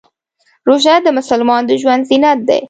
روژه د مسلمان د ژوند زینت دی.